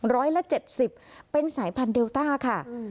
ร้อยละ๗๐เป็นสายพันธุเดลต้าค่ะ